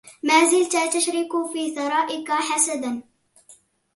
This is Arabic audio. ما زلت تشرك في ثرائك حاسدا